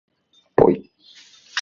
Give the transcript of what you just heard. ぽい